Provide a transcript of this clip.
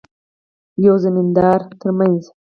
یوه زمیندار ترمنځ.